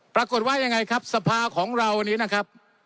ปรากฏว่ายังไงครับสภาของเรานี้นะครับ